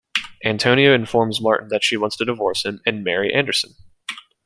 Antonia informs Martin that she wants to divorce him and marry Anderson.